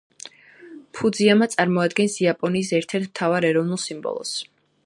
ფუძიამა წარმოადგენს იაპონიის ერთ-ერთ მთავარ ეროვნულ სიმბოლოს.